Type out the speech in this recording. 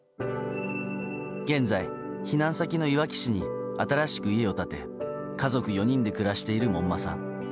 現在、避難先のいわき市に新しく家を建て家族４人で暮らしている門馬さん。